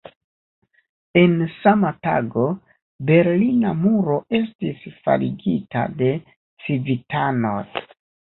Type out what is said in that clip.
En sama tago, Berlina muro estis faligita de civitanoj.